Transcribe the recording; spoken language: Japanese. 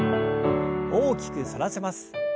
大きく反らせます。